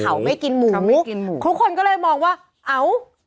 เขาไม่กินหมูกินหมูทุกคนก็เลยมองว่าเอ้า